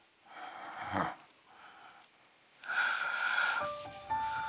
ああ。